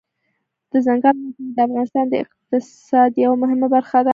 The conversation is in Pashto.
دځنګل حاصلات د افغانستان د اقتصاد یوه مهمه برخه ده.